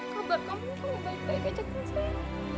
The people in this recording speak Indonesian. kabar kamu baik baik aja kan saya